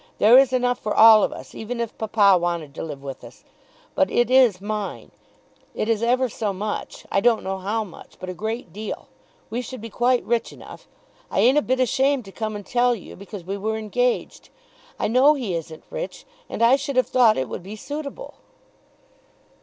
There is enough for all of us even if papa wanted to live with us; but it is mine. It is ever so much; I don't know how much, but a great deal. We should be quite rich enough. I ain't a bit ashamed to come and tell you, because we were engaged. I know he isn't rich, and I should have thought it would be suitable."